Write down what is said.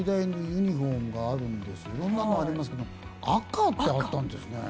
色んなのありますけど赤ってあったんですね。